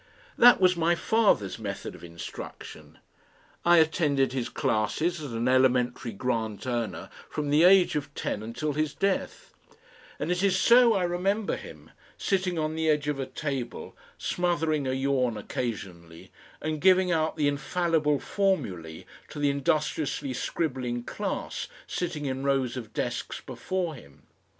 That was my father's method of instruction. I attended his classes as an elementary grant earner from the age of ten until his death, and it is so I remember him, sitting on the edge of a table, smothering a yawn occasionally and giving out the infallible formulae to the industriously scribbling class sitting in rows of desks before him.